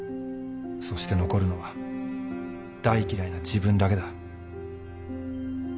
そして残るのは大嫌いな自分だけだ。